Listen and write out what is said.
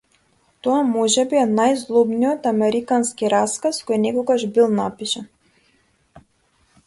Тоа можеби е најзлобниот американски расказ кој некогаш бил напишан.